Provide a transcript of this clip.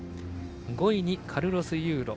５位にカルロス・ユーロ。